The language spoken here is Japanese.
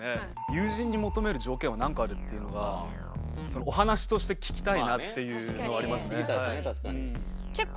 友人に求める条件は何個あるっていうのがお話として聞きたいなっていうのはありますね。